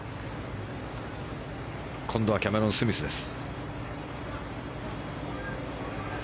今度はキャメロン・スミスです。